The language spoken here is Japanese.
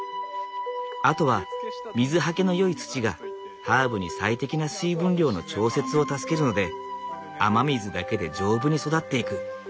あとは水はけのよい土がハーブに最適な水分量の調節を助けるので雨水だけで丈夫に育っていく。